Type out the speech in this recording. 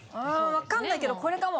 わかんないけどこれかも。